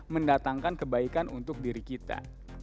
mendatangkan kebaikan untuk diri kita